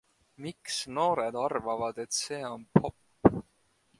Miks noored arvavad, et see on pop?